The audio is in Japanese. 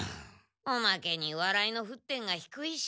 おまけにわらいのふっ点がひくいし。